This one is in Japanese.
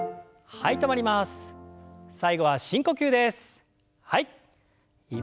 はい。